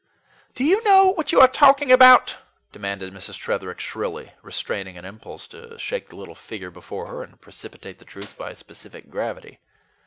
"Do you know what you are talking about?" demanded Mrs. Tretherick shrilly, restraining an impulse to shake the little figure before her and precipitate the truth by specific gravity.